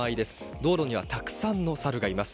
道路にはたくさんのサルがいます。